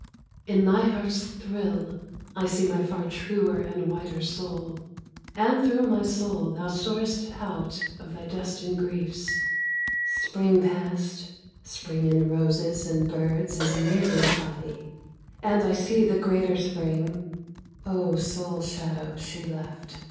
In thy heart's thrill I see my far truer and whiter soul, And through my soul thou soarest out of thy dust and griefs. •••••••••• Spring passed, (Spring in roses and birds is merely the body,) And I see the greater Spring (O soul shadow she left